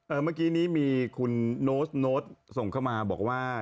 เออเมื่อกี้นี้มีคุณโน๊ตส่งเข้ามาบอกว่า